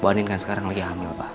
bu andien kan sekarang lagi hamil pak